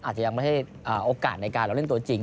อาจจะยังไม่ให้โอกาสในการเราเล่นตัวจริง